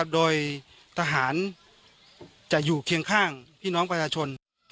โดยทหารจะอยู่เคียงข้างพี่น้องประชาชน